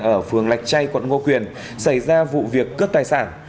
ở phường lạch chay quận ngô quyền xảy ra vụ việc cướp tài sản